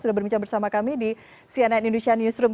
sudah berbincang bersama kami di cnn indonesia newsroom